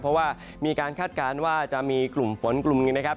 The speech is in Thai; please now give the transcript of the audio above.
เพราะว่ามีการคาดการณ์ว่าจะมีกลุ่มฝนกลุ่มหนึ่งนะครับ